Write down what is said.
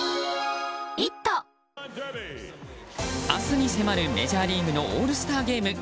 明日に迫るメジャーリーグのオールスターゲーム。